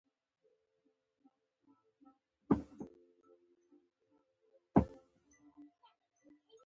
د اب بند ولسوالۍ اوبه لري